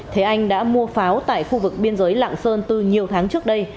thế anh đã mua pháo tại khu vực biên giới lạng sơn từ nhiều tháng trước đây